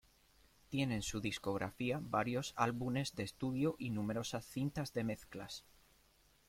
Tiene en su discografía varios álbumes de estudio y numerosas cintas de mezclas.